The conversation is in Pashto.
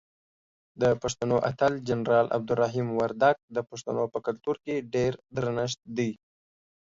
دپښتنو اتل جنرال عبدالرحیم وردک دپښتنو په کلتور کې ډیر درنښت دی.